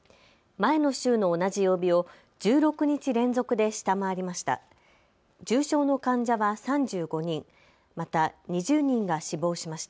前の週の同じ曜日を１６日連続で下回りました。